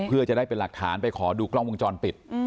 เพื่อจะได้เป็นหลักฐานไปขอดูกล้องวงจรปิด